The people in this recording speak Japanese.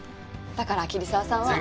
だから桐沢さんは。